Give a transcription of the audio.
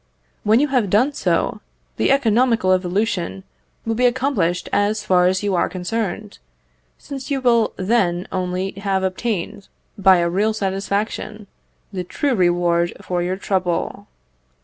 When you have done so, the economical evolution will be accomplished as far as you are concerned, since you will then only have obtained, by a real satisfaction, the true reward for your trouble.